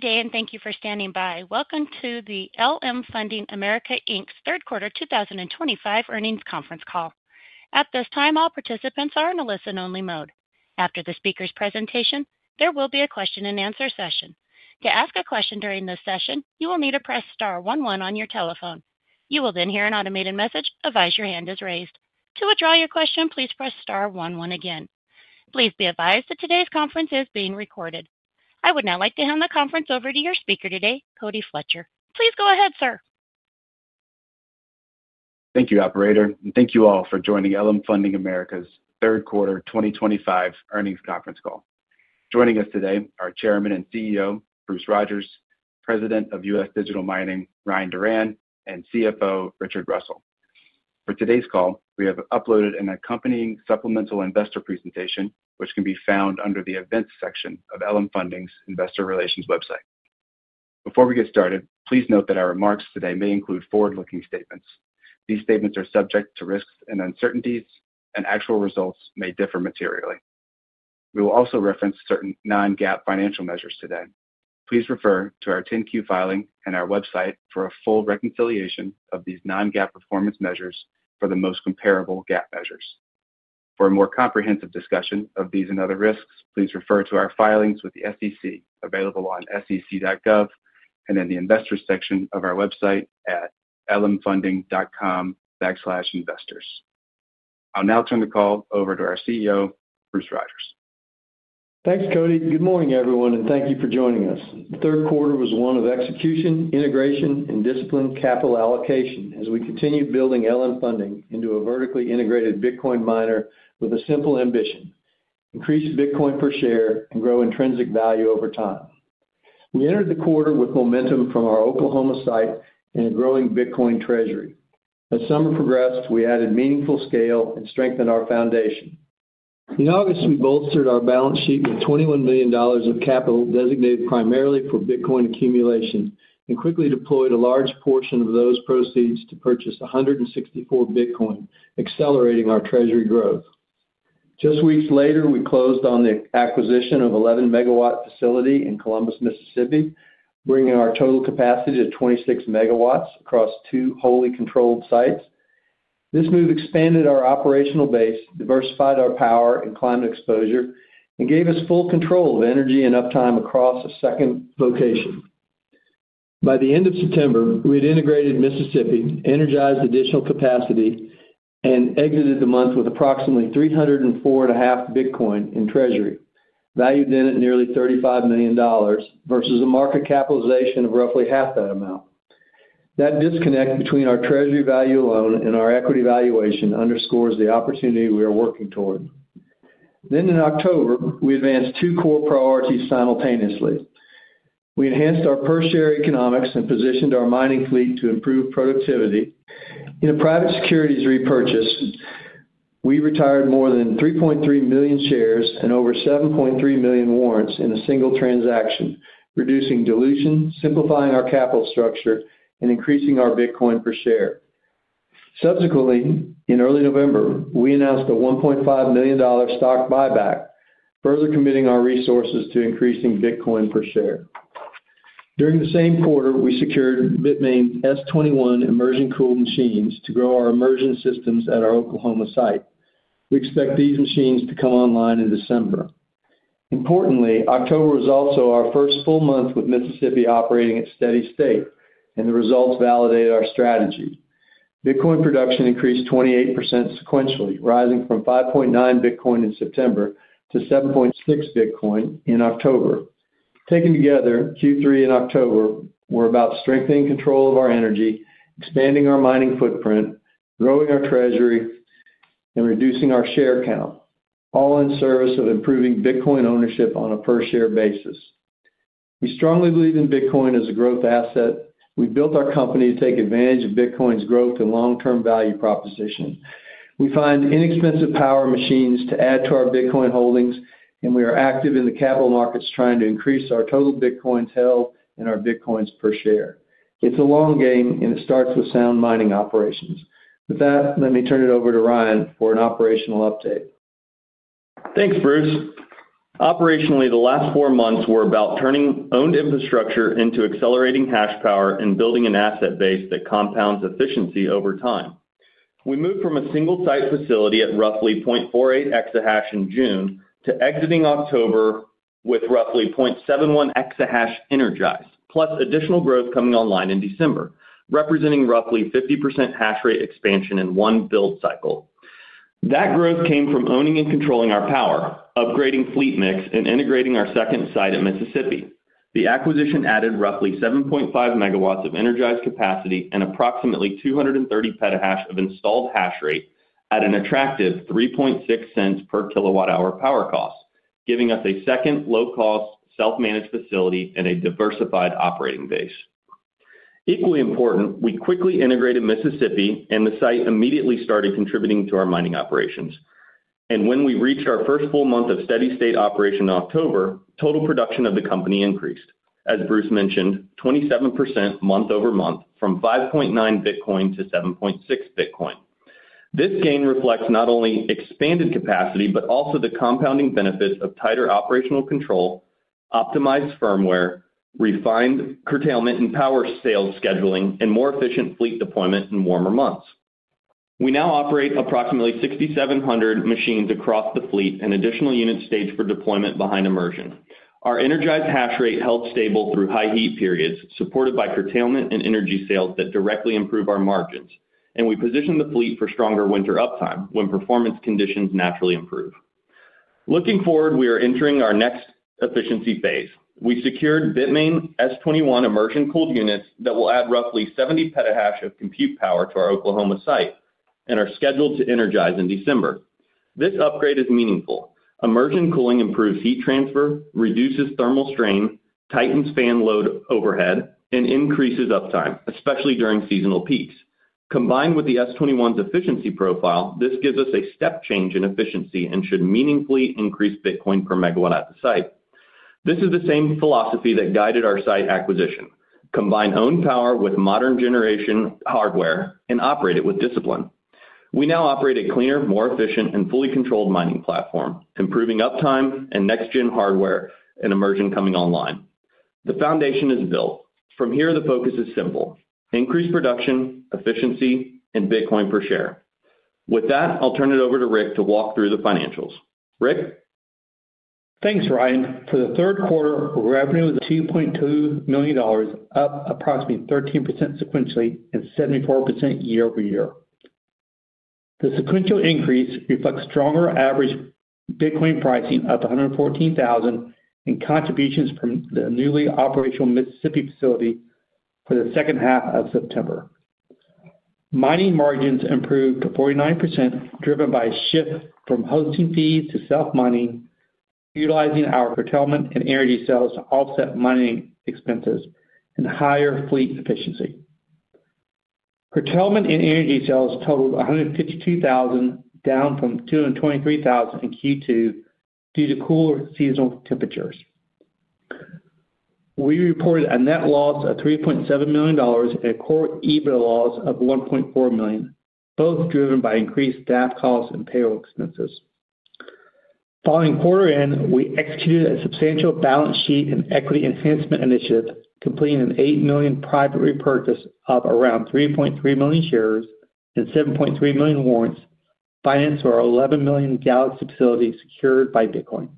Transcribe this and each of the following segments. Good day, and thank you for standing by. Welcome to the LM Funding America Inc Third Quarter 2025 Earnings Conference Call. At this time, all participants are in a listen-only mode. After the speaker's presentation, there will be a question-and-answer session. To ask a question during this session, you will need to press star one one on your telephone. You will then hear an automated message: "Advise your hand is raised." To withdraw your question, please press star one one again. Please be advised that today's conference is being recorded. I would now like to hand the conference over to your speaker today, Cody Fletcher. Please go ahead, sir. Thank you, Operator, and thank you all for joining LM Funding America's Third Quarter 2025 Earnings Conference Call. Joining us today are Chairman and CEO Bruce Rodgers, President of U.S. Digital Mining Ryan Duran, and CFO Richard Russell. For today's call, we have uploaded an accompanying supplemental investor presentation, which can be found under the Events section of LM Funding's Investor Relations website. Before we get started, please note that our remarks today may include forward-looking statements. These statements are subject to risks and uncertainties, and actual results may differ materially. We will also reference certain non-GAAP financial measures today. Please refer to our 10-Q filing and our website for a full reconciliation of these non-GAAP performance measures for the most comparable GAAP measures. For a more comprehensive discussion of these and other risks, please refer to our filings with the SEC available on sec.gov and in the Investors section of our website at lmfunding.com/investors. I'll now turn the call over to our CEO, Bruce Rodgers. Thanks, Cody. Good morning, everyone, and thank you for joining us. Third quarter was one of execution, integration, and disciplined capital allocation as we continued building LM Funding into a vertically integrated Bitcoin miner with a simple ambition: increase Bitcoin per share and grow intrinsic value over time. We entered the quarter with momentum from our Oklahoma site and a growing Bitcoin treasury. As summer progressed, we added meaningful scale and strengthened our foundation. In August, we bolstered our balance sheet with $21 million of capital designated primarily for Bitcoin accumulation and quickly deployed a large portion of those proceeds to purchase 164 Bitcoin, accelerating our treasury growth. Just weeks later, we closed on the acquisition of an 11 MW facility in Columbus, Mississippi, bringing our total capacity to 26 MW across two wholly controlled sites. This move expanded our operational base, diversified our power and climate exposure, and gave us full control of energy and uptime across a second location. By the end of September, we had integrated Mississippi, energized additional capacity, and exited the month with approximately 304.5 Bitcoin in treasury, valued then at nearly $35 million versus a market capitalization of roughly half that amount. That disconnect between our treasury value alone and our equity valuation underscores the opportunity we are working toward. In October, we advanced two core priorities simultaneously. We enhanced our per-share economics and positioned our mining fleet to improve productivity. In a private securities repurchase, we retired more than 3.3 million shares and over 7.3 million warrants in a single transaction, reducing dilution, simplifying our capital structure, and increasing our Bitcoin per share. Subsequently, in early November, we announced a $1.5 million stock buyback, further committing our resources to increasing Bitcoin per share. During the same quarter, we secured Bitmain's S21 immersion-cooled machines to grow our immersion systems at our Oklahoma site. We expect these machines to come online in December. Importantly, October was also our first full month with Mississippi operating at steady state, and the results validate our strategy. Bitcoin production increased 28%, rising from 5.9 Bitcoin in September to 7.6 Bitcoin in October. Taken together, Q3 and October were about strengthening control of our energy, expanding our mining footprint, growing our treasury, and reducing our share count, all in service of improving Bitcoin ownership on a per-share basis. We strongly believe in Bitcoin as a growth asset. We built our company to take advantage of Bitcoin's growth and long-term value proposition. We find inexpensive power machines to add to our Bitcoin holdings, and we are active in the capital markets trying to increase our total Bitcoins held and our Bitcoins per share. It's a long game, and it starts with sound mining operations. With that, let me turn it over to Ryan for an operational update. Thanks, Bruce. Operationally, the last four months were about turning owned infrastructure into accelerating hash power and building an asset base that compounds efficiency over time. We moved from a single-site facility at roughly 0.48 exahash in June to exiting October with roughly 0.71 exahash energized, plus additional growth coming online in December, representing roughly 50% hash rate expansion in one build cycle. That growth came from owning and controlling our power, upgrading fleet mix, and integrating our second site at Mississippi. The acquisition added roughly 7.5 MW of energized capacity and approximately 230 petahash of installed hash rate at an attractive 3.6 cents/kWh power cost, giving us a second low-cost self-managed facility and a diversified operating base. Equally important, we quickly integrated Mississippi, and the site immediately started contributing to our mining operations. When we reached our first full month of steady-state operation in October, total production of the company increased, as Bruce mentioned, 27% month over month from 5.9 Bitcoin to 7.6 Bitcoin. This gain reflects not only expanded capacity but also the compounding benefits of tighter operational control, optimized firmware, refined curtailment and power sales scheduling, and more efficient fleet deployment in warmer months. We now operate approximately 6,700 machines across the fleet and additional units staged for deployment behind immersion. Our energized hash rate held stable through high heat periods, supported by curtailment and energy sales that directly improve our margins, and we position the fleet for stronger winter uptime when performance conditions naturally improve. Looking forward, we are entering our next efficiency phase. We secured Bitmain S21 immersion-cooled units that will add roughly 70 petahash of compute power to our Oklahoma site and are scheduled to energize in December. This upgrade is meaningful. Immersion cooling improves heat transfer, reduces thermal strain, tightens fan load overhead, and increases uptime, especially during seasonal peaks. Combined with the S21's efficiency profile, this gives us a step change in efficiency and should meaningfully increase Bitcoin per megawatt at the site. This is the same philosophy that guided our site acquisition: combine owned power with modern generation hardware and operate it with discipline. We now operate a cleaner, more efficient, and fully controlled mining platform, improving uptime and next-gen hardware and immersion coming online. The foundation is built. From here, the focus is simple: increased production, efficiency, and Bitcoin per share. With that, I'll turn it over to Rick to walk through the financials. Rick? Thanks, Ryan. For the third quarter, revenue was $2.2 million, up approximately 13% sequentially and 74% year over year. The sequential increase reflects stronger average Bitcoin pricing of $114,000 and contributions from the newly operational Mississippi facility for the second half of September. Mining margins improved to 49%, driven by a shift from hosting fees to self-mining, utilizing our curtailment and energy sales to offset mining expenses and higher fleet efficiency. Curtailment and energy sales totaled $152,000, down from $223,000 in Q2 due to cooler seasonal temperatures. We reported a net loss of $3.7 million and a core EBITDA loss of $1.4 million, both driven by increased staff costs and payroll expenses. Following quarter-end, we executed a substantial balance sheet and equity enhancement initiative, completing an $8 million private repurchase of around 3.3 million shares and 7.3 million warrants, financed through our $11 million Galaxy facility secured by Bitcoin.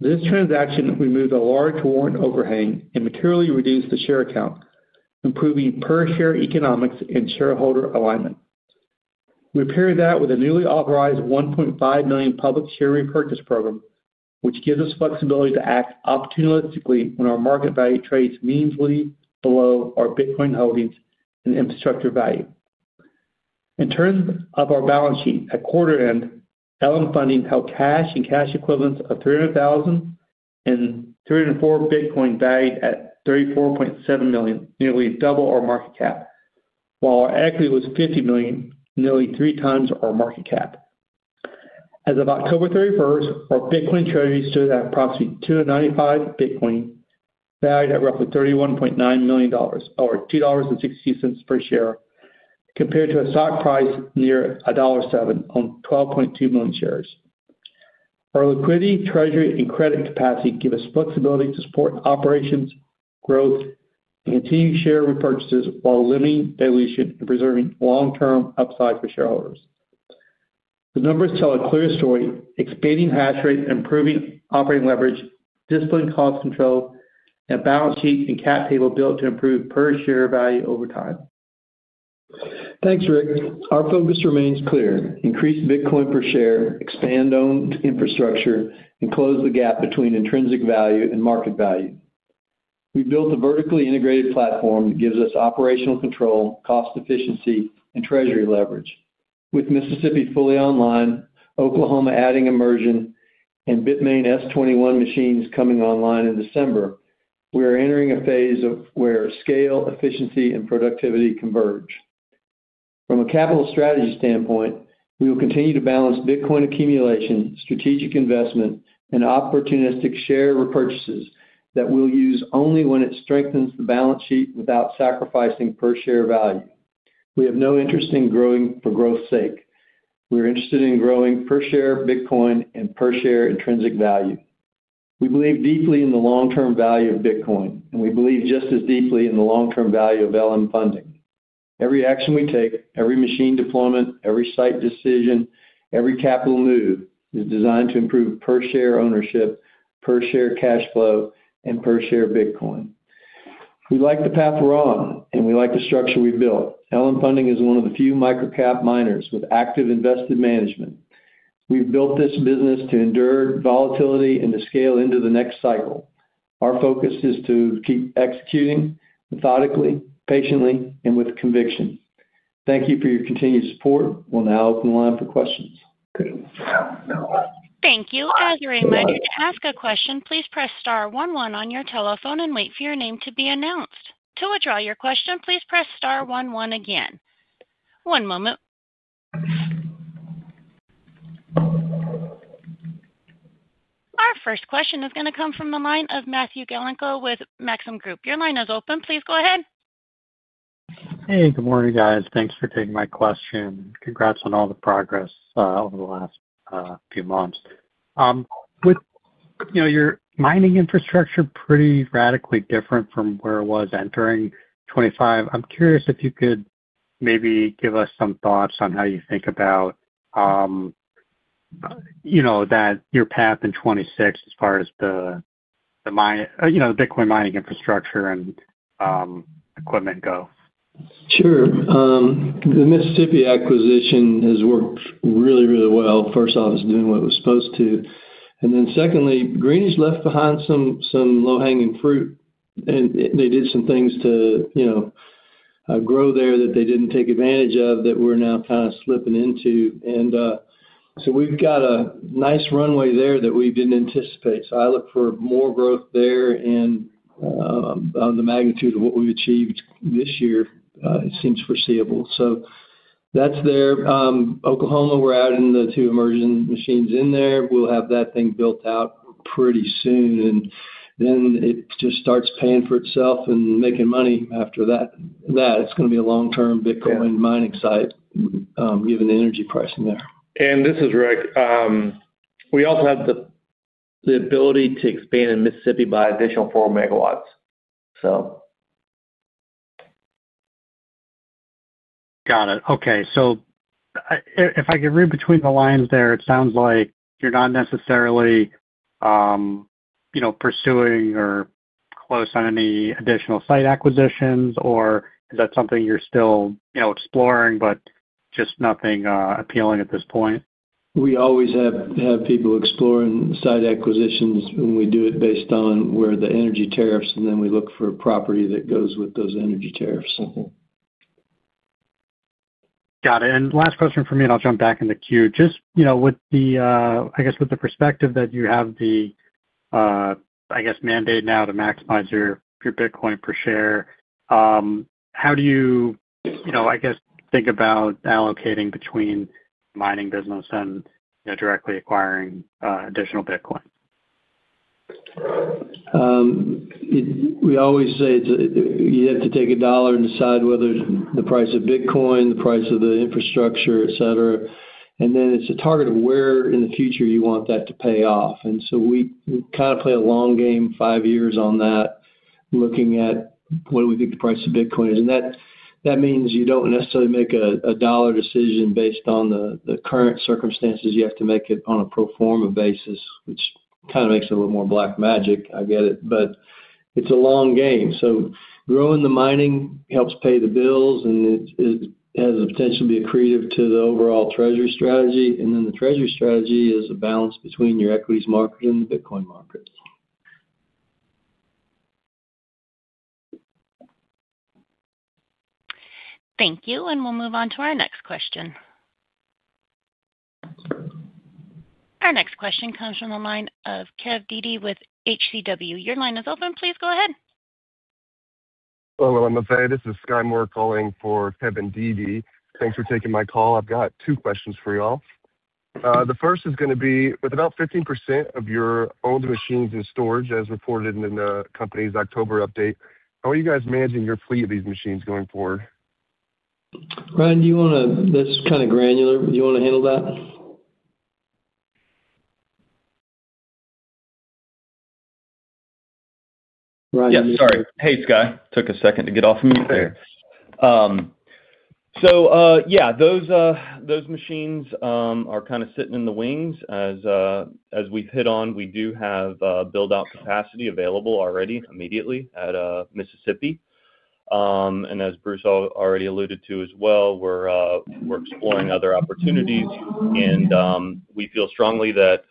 This transaction removed a large warrant overhang and materially reduced the share count, improving per-share economics and shareholder alignment. We paired that with a newly authorized $1.5 million public share repurchase program, which gives us flexibility to act opportunistically when our market value trades meaningfully below our Bitcoin holdings and infrastructure value. In terms of our balance sheet, at quarter-end, LM Funding held cash and cash equivalents of $300,000 and 304 Bitcoin valued at $34.7 million, nearly double our market cap, while our equity was $50 million, nearly three times our market cap. As of October 31, our Bitcoin treasury stood at approximately 295 Bitcoin, valued at roughly $31.9 million, or $2.62 per share, compared to a stock price near $1.07 on 12.2 million shares. Our liquidity, treasury, and credit capacity give us flexibility to support operations, growth, and continue share repurchases while limiting dilution and preserving long-term upside for shareholders. The numbers tell a clear story: expanding hash rate, improving operating leverage, disciplined cost control, and a balance sheet and cap table built to improve per-share value over time. Thanks, Rick. Our focus remains clear: increase Bitcoin per share, expand owned infrastructure, and close the gap between intrinsic value and market value. We built a vertically integrated platform that gives us operational control, cost efficiency, and treasury leverage. With Mississippi fully online, Oklahoma adding immersion, and Bitmain S21 machines coming online in December, we are entering a phase where scale, efficiency, and productivity converge. From a capital strategy standpoint, we will continue to balance Bitcoin accumulation, strategic investment, and opportunistic share repurchases that we'll use only when it strengthens the balance sheet without sacrificing per-share value. We have no interest in growing for growth's sake. We are interested in growing per-share Bitcoin and per-share intrinsic value. We believe deeply in the long-term value of Bitcoin, and we believe just as deeply in the long-term value of LM Funding. Every action we take, every machine deployment, every site decision, every capital move is designed to improve per-share ownership, per-share cash flow, and per-share Bitcoin. We like the path we're on, and we like the structure we've built. LM Funding is one of the few microcap miners with active invested management. We've built this business to endure volatility and to scale into the next cycle. Our focus is to keep executing methodically, patiently, and with conviction. Thank you for your continued support. We'll now open the line for questions. Thank you. As a reminder, to ask a question, please press star one one on your telephone and wait for your name to be announced. To withdraw your question, please press star one one again. One moment. Our first question is going to come from the line of Matthew Galinko with Maxim Group. Your line is open. Please go ahead. Hey, good morning, guys. Thanks for taking my question. Congrats on all the progress over the last few months. With your mining infrastructure pretty radically different from where it was entering 2025, I'm curious if you could maybe give us some thoughts on how you think about your path in 2026 as far as the Bitcoin mining infrastructure and equipment go. Sure. The Mississippi acquisition has worked really, really well. First off, it's doing what it was supposed to. Secondly, Greenwich left behind some low-hanging fruit, and they did some things to grow there that they didn't take advantage of that we're now kind of slipping into. We have a nice runway there that we didn't anticipate. I look for more growth there, and the magnitude of what we've achieved this year seems foreseeable. That's there. Oklahoma, we're adding the two immersion machines in there. We'll have that thing built out pretty soon. It just starts paying for itself and making money after that. It's going to be a long-term Bitcoin mining site, given the energy pricing there. This is Rick. We also have the ability to expand in Mississippi by an additional 4 MW. Got it. Okay. If I could read between the lines there, it sounds like you're not necessarily pursuing or close on any additional site acquisitions, or is that something you're still exploring, but just nothing appealing at this point? We always have people exploring site acquisitions, and we do it based on where the energy tariffs are, and then we look for property that goes with those energy tariffs. Got it. Last question for me, and I'll jump back in the queue. Just with the, I guess, with the perspective that you have the, I guess, mandate now to maximize your Bitcoin per share, how do you, I guess, think about allocating between mining business and directly acquiring additional Bitcoin? We always say you have to take a dollar and decide whether the price of Bitcoin, the price of the infrastructure, etc., and then it is a target of where in the future you want that to pay off. We kind of play a long game, five years on that, looking at what do we think the price of Bitcoin is. That means you do not necessarily make a dollar decision based on the current circumstances. You have to make it on a pro forma basis, which kind of makes it a little more black magic, I get it, but it is a long game. Growing the mining helps pay the bills, and it has the potential to be accretive to the overall treasury strategy. The treasury strategy is a balance between your equities market and the Bitcoin market. Thank you. We will move on to our next question. Our next question comes from the line of Kevin Dede with HCW. Your line is open. Please go ahead. Hello, LMFA. This is Sky Moore calling for Kevin Dede. Thanks for taking my call. I've got two questions for y'all. The first is going to be with about 15% of your old machines in storage, as reported in the company's October update, how are you guys managing your fleet of these machines going forward? Ryan, do you want to—that's kind of granular. Do you want to handle that? Ryan. Yeah, sorry. Hey, Sky. Took a second to get off mute there. Yeah, those machines are kind of sitting in the wings. As we've hit on, we do have build-out capacity available already immediately at Mississippi. As Bruce already alluded to as well, we're exploring other opportunities. We feel strongly that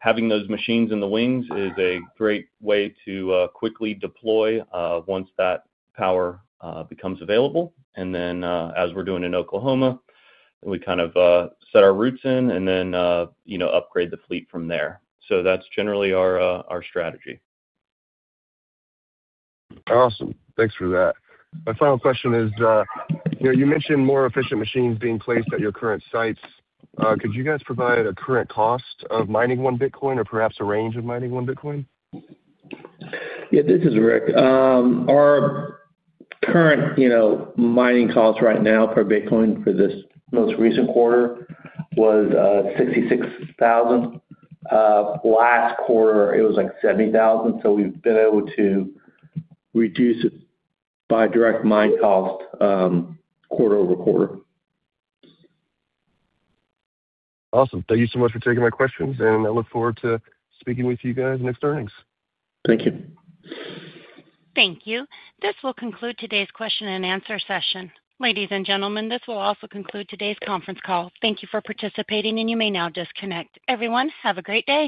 having those machines in the wings is a great way to quickly deploy once that power becomes available. As we're doing in Oklahoma, we kind of set our roots in and then upgrade the fleet from there. That is generally our strategy. Awesome. Thanks for that. My final question is, you mentioned more efficient machines being placed at your current sites. Could you guys provide a current cost of mining one Bitcoin or perhaps a range of mining one Bitcoin? Yeah, this is Rick. Our current mining cost right now per Bitcoin for this most recent quarter was $66,000. Last quarter, it was like $70,000. So we've been able to reduce it by direct mine cost quarter over quarter. Awesome. Thank you so much for taking my questions. I look forward to speaking with you guys next earnings. Thank you. Thank you. This will conclude today's question and answer session. Ladies and gentlemen, this will also conclude today's conference call. Thank you for participating, and you may now disconnect. Everyone, have a great day.